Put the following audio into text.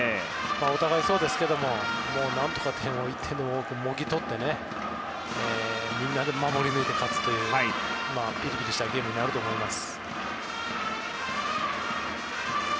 お互いそうですけども何とか点を、１点でも多くもぎ取って、みんなで守り抜いて勝つというピリピリしたゲームになると思います。